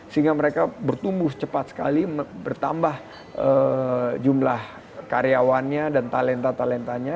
sehingga mereka bertumbuh cepat sekali bertambah jumlah karyawannya dan talenta talentanya